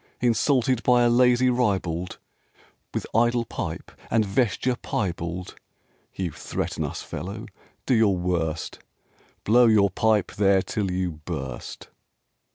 Insulted by a lazy ribald With idle pipe and vesture piebald? You threaten us, fellow? Do your worst, Blow your pipe there till you burst!"